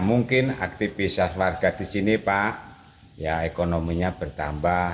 mungkin aktivitas warga di sini pak ekonominya bertambah